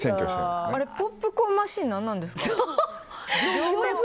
ポップコーンマシンは何なんですか？